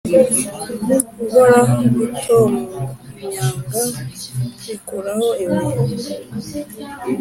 guhora gutonyanga bikuraho ibuye